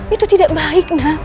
itu tidak baik